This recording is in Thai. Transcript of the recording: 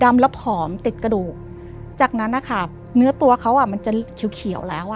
แล้วผอมติดกระดูกจากนั้นนะคะเนื้อตัวเขาอ่ะมันจะเขียวเขียวแล้วอ่ะ